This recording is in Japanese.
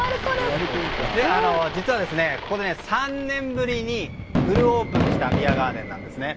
実はここ、３年ぶりにフルオープンしたビアガーデンなんです。